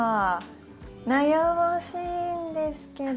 悩ましいんですけど。